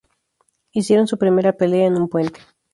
Hicieron su primera pelea en un puente.